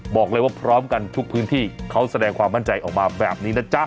บอกเลยว่าพร้อมกันทุกพื้นที่เขาแสดงความมั่นใจออกมาแบบนี้นะจ๊ะ